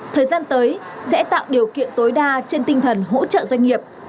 thời gian tới sẽ tạo điều kiện tối đa trên tinh thần hỗ trợ doanh nghiệp